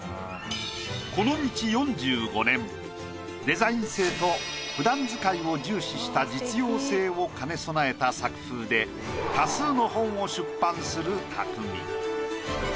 デザイン性とふだん使いを重視した実用性を兼ね備えた作風で多数の本を出版する匠。